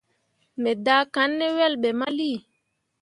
Me daakanne ne yelbe mali.